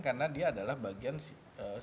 karena dia adalah bagian seperti mata uang